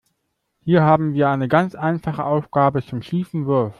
Hier haben wir eine ganz einfache Aufgabe zum schiefen Wurf.